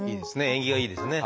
縁起がいいですね。